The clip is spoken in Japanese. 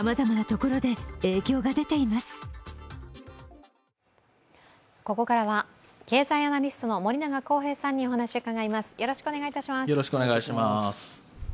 ここからは経済アナリストの森永康平さんにお話を伺います。